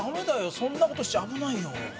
そんな事しちゃ危ないよ！